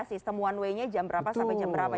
sistem one way nya jam berapa sampai jam berapa